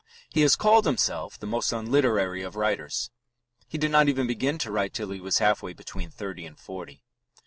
He has called himself "the most unliterary of writers." He did not even begin to write till he was half way between thirty and forty.